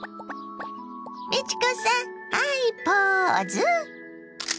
美智子さんハイポーズ！